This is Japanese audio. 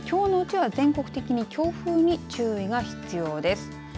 きょうのうちは全国的に強風に注意が必要です。